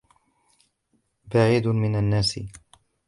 بَعِيدٌ مِنْ النَّاسِ